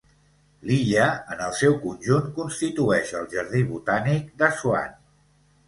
L'illa, en el seu conjunt, constitueix el jardí botànic d'Assuan.